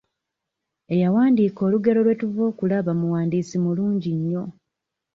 Eyawandiika olugero lwe tuva okulaba muwandiisi mulungi nnyo.